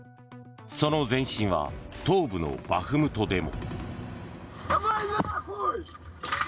その前進は東部のバフムトでも。